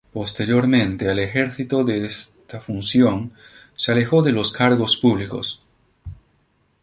Posteriormente al ejercicio de esta función, se alejó de los cargos públicos.